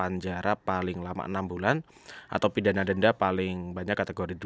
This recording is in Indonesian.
yang dipidana dengan pidana panjara paling lama enam bulan atau pidana denda paling banyak kategori dua